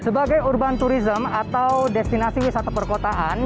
sebagai urban tourism atau destinasi wisata perkotaan